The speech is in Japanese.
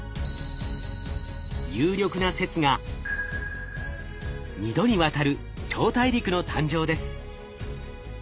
有力な説が２度にわたる超大陸の誕生です。